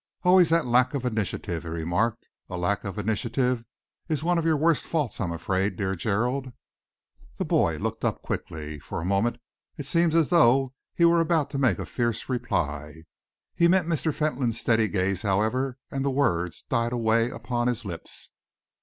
"Always that lack of initiative," he remarked. "A lack of initiative is one of your worst faults, I am afraid, dear Gerald." The boy looked up quickly. For a moment it seemed as though he were about to make a fierce reply. He met Mr. Fentolin's steady gaze, however, and the words died away upon his lips.